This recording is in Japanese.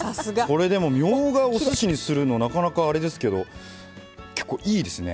これでもみょうがをおすしにするのなかなかあれですけど結構いいですね。